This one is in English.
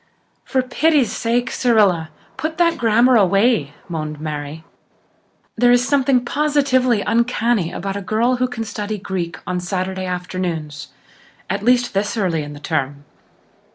"For pity's sake, Cyrilla, put that grammar away," moaned Mary. "There is something positively uncanny about a girl who can study Greek on Saturday afternoons at least, this early in the term."